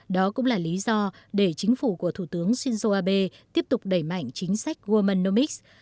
đó cũng là lý do để chính phủ của thủ tướng shinzo abe tiếp tục đẩy mạnh chính sách wamanomics